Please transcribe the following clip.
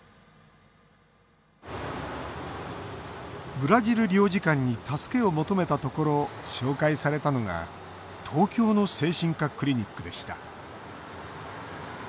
ブラジル領事館に助けを求めたところ紹介されたのが東京の精神科クリニックでした。